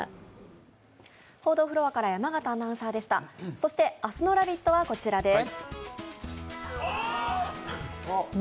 そして明日の「ラヴィット！」はこちらです。